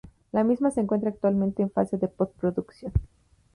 La misma se encuentra actualmente en fase de post-producción.